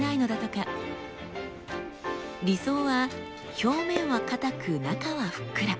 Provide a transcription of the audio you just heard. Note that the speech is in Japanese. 理想は表面はかたく中はふっくら。